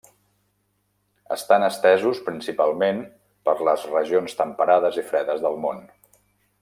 Estan estesos principalment per les regions temperades i fredes del món.